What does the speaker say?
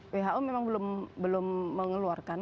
who memang belum mengeluarkan